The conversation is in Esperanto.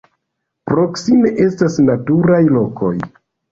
Proksime estas naturaj lokoj.